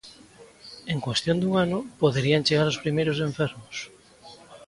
En cuestión dun ano poderían chegar os primeiros enfermos.